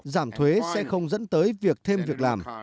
giảm thuế sẽ không dẫn tới việc thêm việc làm